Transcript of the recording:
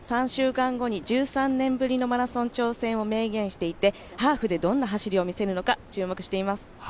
３週間後に１３年ぶりのマラソン挑戦を明言していてハーフでどんな走りを見せるのか、注目しています。